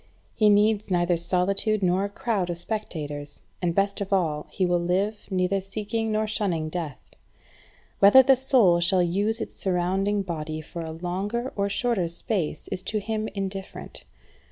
He needs neither solitude nor a crowd of spectators; and, best of all, he will live neither seeking nor shunning death. Whether the soul shall use its surrounding body for a longer or shorter space is to him indifferent.